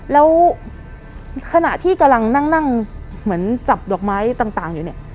แล้วขณะที่กำลังนั่งเหมือนจับดอกไม้ต่างอยู่เนี่ย